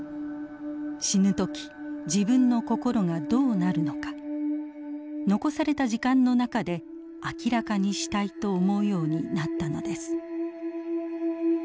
死ぬ時自分の心がどうなるのか残された時間の中で明らかにしたいと思うようになったのです。